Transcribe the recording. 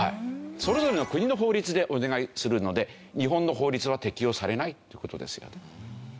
それぞれの国の法律でお願いするので日本の法律は適用されないって事ですよね。